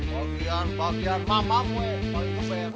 bagian bagian mamam weh